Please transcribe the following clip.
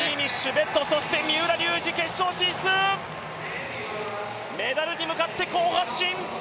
三浦龍司、決勝進出、メダルに向かって好発進。